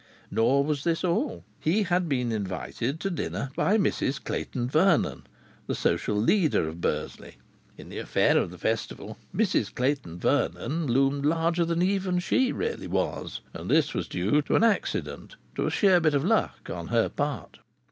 Nor was this all. He had been invited to dinner by Mrs Clayton Vernon, the social leader of Bursley. In the affair of the Festival Mrs Clayton Vernon loomed larger than even she really was. And this was due to an accident, to a sheer bit of luck on her part.